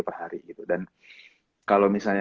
per hari gitu dan kalau misalnya